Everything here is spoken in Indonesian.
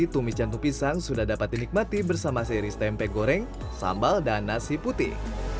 tumis jantung pisang sudah dapat dinikmati bersama seri tempe goreng sambal dan nasi putih